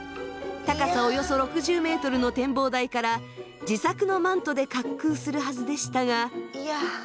高さおよそ６０メートルの展望台から自作のマントで滑空するはずでしたが。